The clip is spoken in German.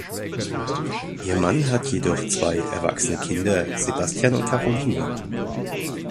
Ihr Mann hat jedoch zwei erwachsene Kinder, Sebastian und Caroline.